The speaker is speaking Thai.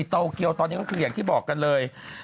โตเกียวตอนนี้ก็คืออย่างที่บอกกันเลย